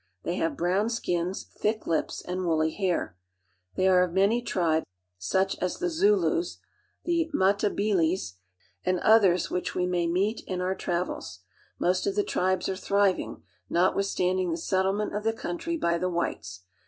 They have brown skins, thick lips, and woolly hair. They are of many tribes, such as the Zulus, the Matabeles (mat a be'les), and others which we may meet in our travels. Most of the tribes are thriving, notwithstanding the settlement of the country by the whites.